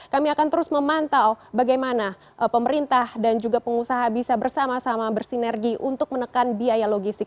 kami akan terus memantau bagaimana pemerintah dan juga pengusaha bisa bersama sama bersinergi untuk menekan biaya logistik